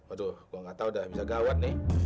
aduh gua gak tau dah bisa gawat nih